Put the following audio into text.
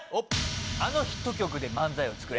あのヒット曲で漫才を作れ！